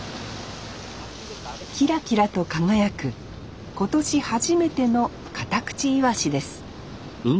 キラキラと輝く今年初めてのカタクチイワシです